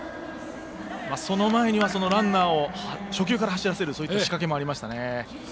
その前には、ランナーを初球から走らせるといった仕掛けもありましたね。